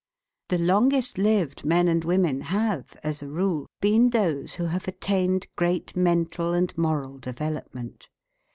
The longest lived men and women have, as a rule, been those who have attained great mental and moral development.